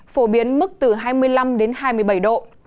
phổ biến mức từ hai mươi năm đến hai mươi bảy độ